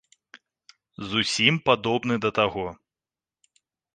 Зусім падобны да таго.